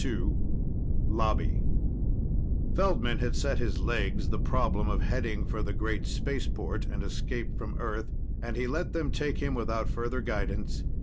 II Lobby Feldman had set his legs the problem of heading for the great spaceport and escape from Earth, and he let them take him without further guidance.